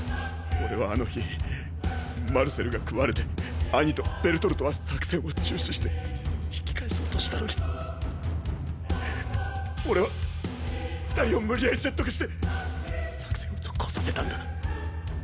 俺はあの日マルセルが食われてアニとベルトルトは作戦を中止して引き返そうとしたのに俺は二人を無理やり説得して作戦を続行させたんだ。